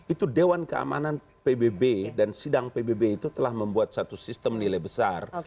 itu dewan keamanan pbb dan sidang pbb itu telah membuat satu sistem nilai besar